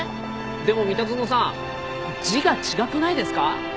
でも三田園さん字が違くないですか？